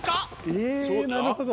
えぇなるほど。